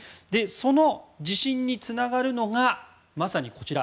その自信につながるのがまさにこちら。